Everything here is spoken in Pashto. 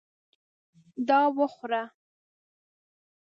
دا وخوره !